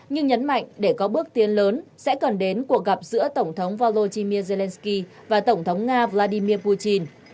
nhưng nhấn mạnh để có bước tiến lớn sẽ cần đến cuộc gặp giữa tổng thống volodymyr zelensky và tổng thống nga vladimir putin